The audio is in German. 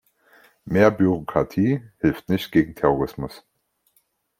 Mehr Bürokratie hilft nicht gegen Terrorismus!